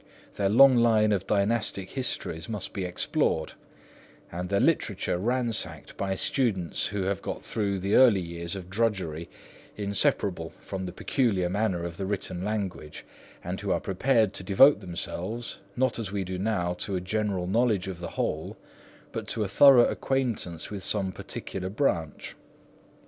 Their long line of Dynastic Histories must be explored and their literature ransacked by students who have got through the early years of drudgery inseparable from the peculiar nature of the written language, and who are prepared to devote themselves, not, as we do now, to a general knowledge of the whole, but to a thorough acquaintance with some particular branch.